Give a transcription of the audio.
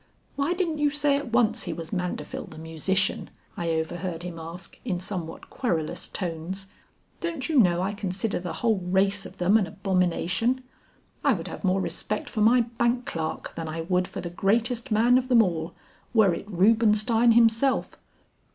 "Why didn't you say at once he was Mandeville the musician," I overheard him ask in somewhat querulous tones. "Don't you know I consider the whole race of them an abomination. I would have more respect for my bank clerk than I would for the greatest man of them all, were it Rubenstein himself."